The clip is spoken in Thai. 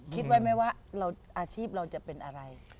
คิดไว้ไหมว่าอาชีพเราจะเป็นอะไร